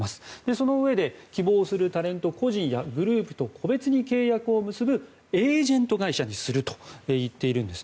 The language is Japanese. そのうえで希望するタレント個人やグループと個別に個別に契約を結ぶエージェント会社にすると言っているんです。